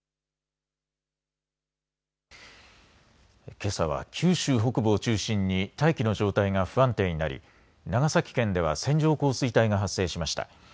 けさは九州北部を中心に大気の状態が不安定になり長崎県では線状降水帯が発生しました。